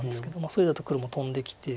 それだと黒もトンできて。